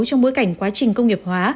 trong bối cảnh quá trình công nghiệp hóa